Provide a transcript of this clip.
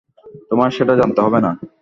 তোমার সেটা জানতে হবে না।